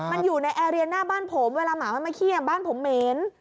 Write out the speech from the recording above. มันอยู่ในแอร์เรียนหน้าบ้านผมเวลาหมามันมาเขี้ยบ้านผมเหม็น